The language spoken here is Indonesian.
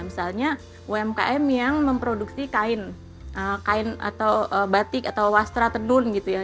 misalnya umkm yang memproduksi kain kain atau batik atau wastra tedun gitu ya